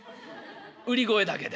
売り声だけでね」。